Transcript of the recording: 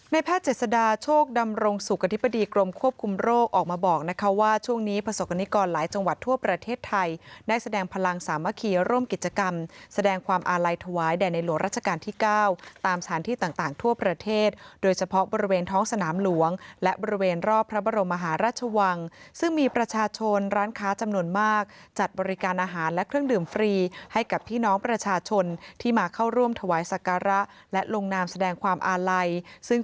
ในแพทย์เจ็ดสดาโชคดำรงสุขกฐิปดีกรมควบคุมโรคออกมาบอกนะคะว่าช่วงนี้ประสบกรณีกรหลายจังหวัดทั่วประเทศไทยได้แสดงพลังสามัคคีร่วมกิจกรรมแสดงความอาลัยถวายแด่ในหลวงรัชกาลที่๙ตามสถานที่ต่างทั่วประเทศโดยเฉพาะบริเวณท้องสนามหลวงและบริเวณรอบพระบรมมหาราชวังซึ่ง